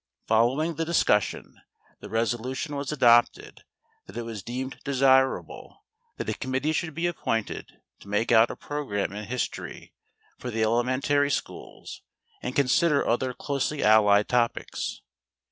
Following the discussion, the resolution was adopted that it was deemed desirable that a committee should be appointed to make out a program in history for the elementary schools and consider other closely allied topics.